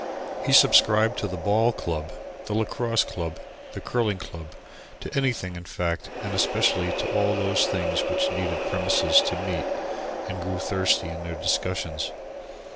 He subscribed to the Ball Club, the Lacrosse Club, the Curling Club, to anything, in fact, and especially to all those things which needed premises to meet in and grew thirsty in their discussions.